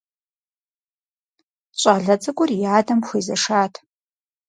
Щӏалэ цӏыкӏур и адэм хуезэшат.